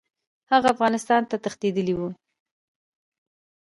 هغه افغانستان ته تښتېدلی وو.